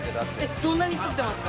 そんなにとってますか？